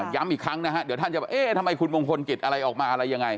ย้ำอีกครั้งนะฮะเดี๋ยวท่านจะว่าเอ๊ะทำไมคุณมงคลกิจอะไรออกมาอะไรยังไง